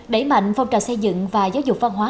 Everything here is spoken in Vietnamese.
đẩy mạnh phong trào xây dựng và giáo dục văn hóa